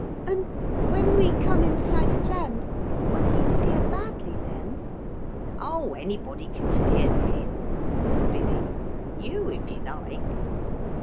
'And when we come in sight of land, will he steer badly then?' 'Oh, anybody can steer then,' said Billy; 'you if you like.'